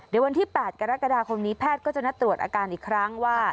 เดี๋ยววันที่๘กรกฎาคมนี้แพทย์ก็จะนัดตรวจอาการอีกครั้งว่า